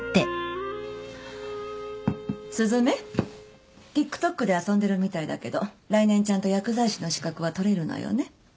雀ＴｉｋＴｏｋで遊んでるみたいだけど来年ちゃんと薬剤師の資格は取れるのよね？